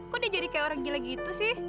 kok dia jadi kayak orang gila gitu sih